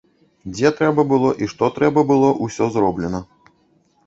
Дзе трэба было і што трэба было, усё зроблена.